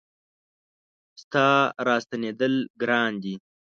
ستا را ستنېدل ګران دي